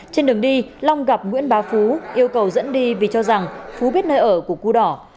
trên đường đi long gặp nguyễn ba phú yêu cầu dẫn đi vì cho rằng phú biết nơi ở của cô đỏ